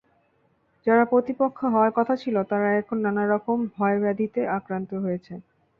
যারা প্রতিপক্ষ হওয়ার কথা ছিল, তারা এখন নানা রকম ভয়-ব্যাধিতে আক্রান্ত হয়েছে।